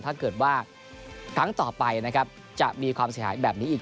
ถ้าเกิดว่าครั้งต่อไปนะครับจะมีความเสียหายแบบนี้อีก